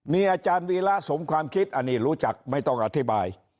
มีอาจารย์วีระสมความคิดอันนี้รู้จักไม่ต้องอธิบาย